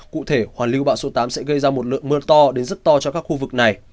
cụ thể hoàn lưu bão số tám sẽ gây ra một lượng mưa to đến rất to cho các khu vực này